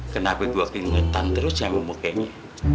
kenapa gua kelihatan terus yang ngomong kayak gini